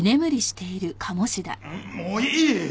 もういい！